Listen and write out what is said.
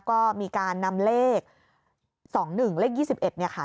ก็มีการนำเลข๒๑เลข๒๑เนี่ยค่ะ